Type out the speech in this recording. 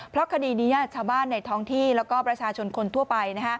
เพราะคดีนี้ชาวบ้านในท้องที่แล้วก็ประชาชนคนทั่วไป